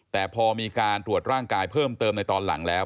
แต่พอมีการตรวจร่างกายเพิ่มเติมในตอนหลังแล้ว